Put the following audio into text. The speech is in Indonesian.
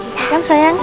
selesai kan sayang